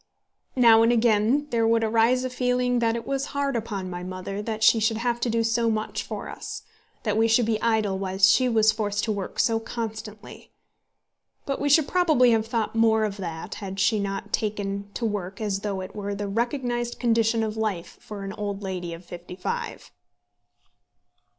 Now and again there would arise a feeling that it was hard upon my mother that she should have to do so much for us, that we should be idle while she was forced to work so constantly; but we should probably have thought more of that had she not taken to work as though it were the recognised condition of life for an old lady of fifty five.